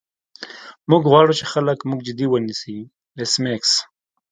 موږ غواړو چې خلک موږ جدي ونیسي ایس میکس